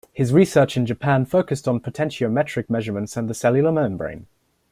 His research in Japan focused on potentiometric measurements and the cellular membrane.